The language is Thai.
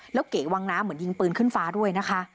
แล้วเก๋วังน้ำเหมือนยิงปืนขึ้นฟ้าด้วยนะคะ